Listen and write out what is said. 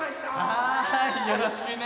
はいよろしくね。